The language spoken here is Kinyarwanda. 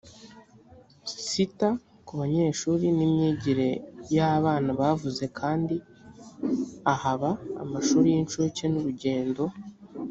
sita ku banyeshuri n imyigire y abana bavuze kandi ahaba amashuri y inshuke n urugendo